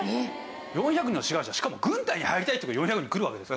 ４００人の志願者しかも軍隊に入りたいって人が４００人来るわけです。